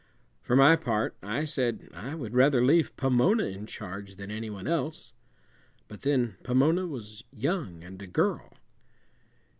For my part, I said, I would rather leave Pomona in charge than any one else; but then Pomona was young and a girl.